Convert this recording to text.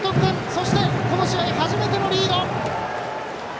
そして、この試合初めてのリード！